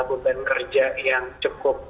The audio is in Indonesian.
beban kerja yang cukup